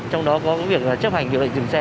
trong đó có việc chấp hành hiệu lệnh dừng xe